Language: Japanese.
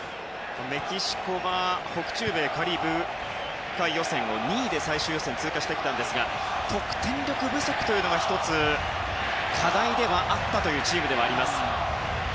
メキシコは北中米カリブ海予選を２位で最終予選を通過してきたんですが得点力不足が１つ課題ではあったというチームです。